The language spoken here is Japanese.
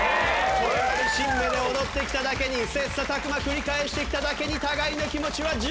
これまでシンメで踊ってきただけに切磋琢磨繰り返してきただけに互いの気持ちは十分にわかる。